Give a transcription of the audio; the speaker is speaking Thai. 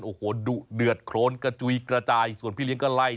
โอ้โหดุเดือดโครนกระจุยกระจายส่วนพี่เลี้ยงก็ไล่